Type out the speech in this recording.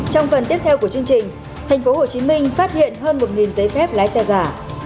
trong phần tiếp theo của chương trình thành phố hồ chí minh phát hiện hơn một giấy phép lái xe giả